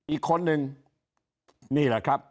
อีกคนนึงนี่แหละครับ